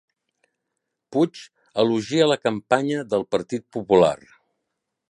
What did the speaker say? Puig elogia la campanya del Partit Popular